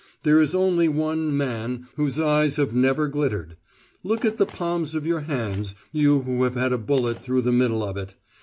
There is only one Man whose eyes have never glittered. Look at the palms of your hands, you, who have had a bullet through the middle of it!